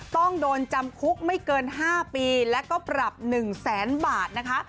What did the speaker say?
ต้องโดนจำคุกไม่เกิน๕ปีแล้วก็ปรับ๑แสนบาทนะคะ